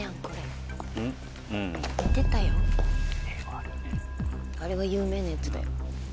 あれは有名なやつだよ。